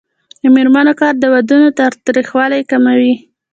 د میرمنو کار د ودونو تاوتریخوالی کموي.